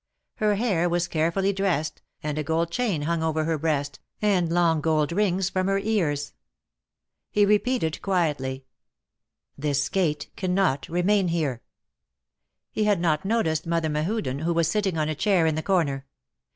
Her hair was carefully dressed, and a gold chain hung over her breast, and long gold rings from her ears. He repeated, quietly, This skate cannot remain here." He had not noticed Mother Mehuden, who was sitting on a chair in the corner.